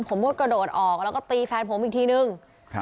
ผมก็กระโดดออกแล้วก็ตีแฟนผมอีกทีนึง